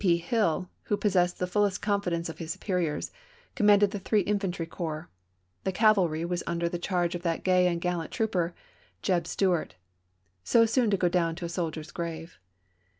P. Hill, who possessed the fullest confidence of his superiors, commanded the three infantry corps ; the cavalry was under the charge of that gay and gallant trooper, J. E. B. Stuart, so soon to go down to a soldier's grave.